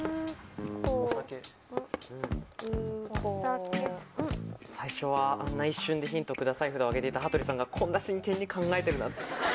・ウコン・・お酒・最初はあんな一瞬で「ヒントください」札を挙げていた羽鳥さんがこんな真剣に考えているなんて。